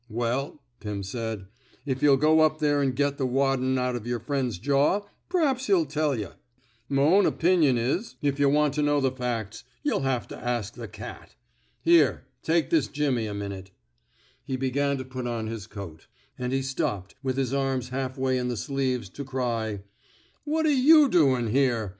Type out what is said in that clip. '' Well,'* Pim said, '' if yuh'U go up there an' get the waddin* out of yer friend's jaw, p'raps he'll tell yuh. M'own opinion is, if 90 ON CmCUMSTANTIAL EVIDENCE yuh want to know the facts, ynh^ll have to ask the cat. ..• Here, take this jimmy a minute/^ He began to put on his coat; and he stopped, with his arms half way in the sleeves, to cry: What^re you doin' here!